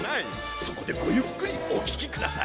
そこでごゆっくりお聞きください。